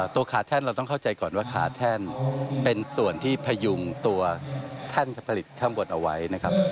ตัวขาแท่นเราต้องเข้าใจก่อนว่าขาแท่นเป็นส่วนที่พยุงตัวแท่นกับผลิตข้างบนเอาไว้นะครับ